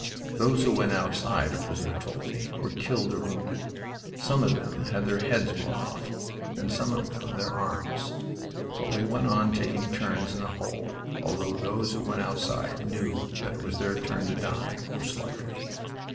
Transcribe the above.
"Those who went outside," a prisoner told me, "were killed or wounded. Some of them had their heads blown off, and some of them their arms. But we went on taking turns in the hole, although those who went outside knew that it was their turn to die, most likely.